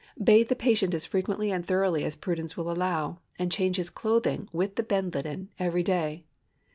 Bathe the patient as frequently and thoroughly as prudence will allow, and change his clothing, with the bed linen, every day.